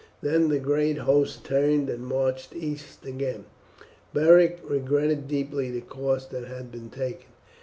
Then the great host turned and marched east again. Beric regretted deeply the course that had been taken.